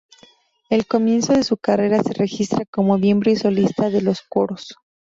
El comienzo de su carrera se registra como miembro y solista de los coros.